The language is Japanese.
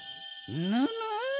ぬぬ！